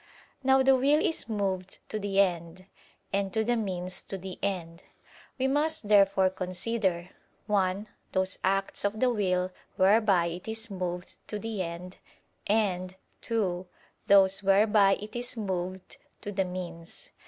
Now the will is moved to the end, and to the means to the end; we must therefore consider: (1) those acts of the will whereby it is moved to the end; and (2) those whereby it is moved to the means.